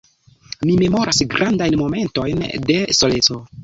Mi memoras grandajn momentojn de soleco.